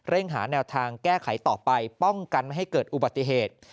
หาแนวทางแก้ไขต่อไปป้องกันไม่ให้เกิดอุบัติเหตุ